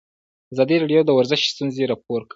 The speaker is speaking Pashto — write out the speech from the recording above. ازادي راډیو د ورزش ستونزې راپور کړي.